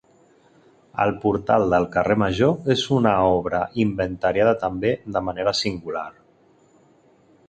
El Portal del Carrer Major és una obra inventariada també de manera singular.